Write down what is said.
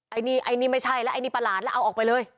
อันนี้ไอ้นี่ไม่ใช่แล้วไอ้นี่ประหลาดแล้วเอาออกไปเลย